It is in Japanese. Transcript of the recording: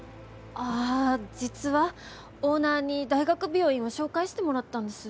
あ実はオーナーに大学病院を紹介してもらったんです。